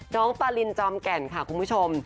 น้องปารินจอมแก่นค่ะคุณผู้ชม